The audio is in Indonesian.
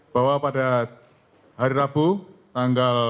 bahwa pada hari rabu tanggal